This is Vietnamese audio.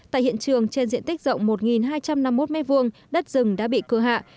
tại hiện trường trên diện tích rộng một hai trăm năm mươi một m hai đất rừng đã bị cưa hạ